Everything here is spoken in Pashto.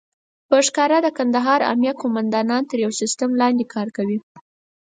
په ښکاره د کندهار امنيه قوماندان تر يو سيستم لاندې کار کوي.